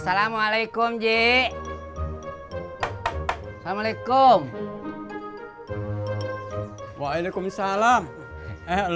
assalamualaikum jay assalamualaikum waalaikumsalam eh alojo